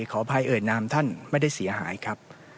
ขออภัยเอ่ยนามท่านไม่ได้เสียหายครับ